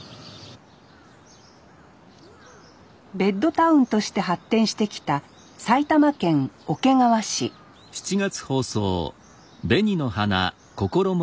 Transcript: ベッドタウンとして発展してきた埼玉県桶川市夏。